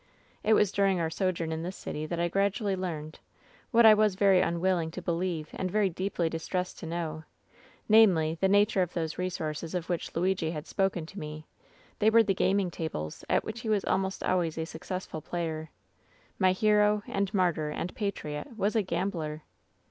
"It was during our sojourn in this city that I grad ually learned — what I was very unwilling to believe and very deeply distressed to know — namely, the nature of those resources of which Luigi had spoken to me ; they were the gaming tables, at which he was almost always a successful player. My hero, and martyr, and patriot was a gambler